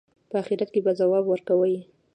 په آخرت کې به ځواب ورکوي.